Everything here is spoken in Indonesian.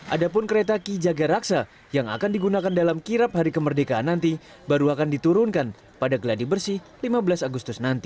ada pun kereta ki jaga raksa yang akan digunakan dalam kirap hari kemerdekaan nanti baru akan diturunkan pada geladi bersih lima belas agustus nanti